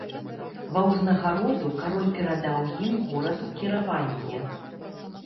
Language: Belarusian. Ва ўзнагароду кароль перадаў ім горад у кіраванне.